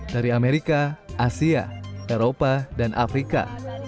dari amerika asia eropa dan afrika